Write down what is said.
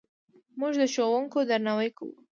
موږ د ښوونکو درناوی کوو.